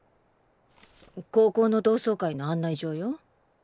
高校の同窓会の案内状よ。